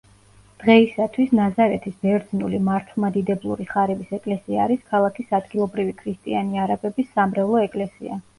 დღეისათვის ნაზარეთის ბერძნული მართლმადიდებლური ხარების ეკლესია არის ქალაქის ადგილობრივი ქრისტიანი არაბების სამრევლო ეკლესია.